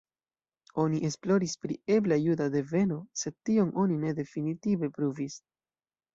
Oni esploris pri ebla juda deveno, sed tion oni ne definitive pruvis.